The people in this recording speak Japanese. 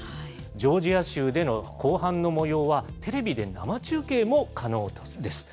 ジョージア州での公判のもようは、テレビで生中継も可能です。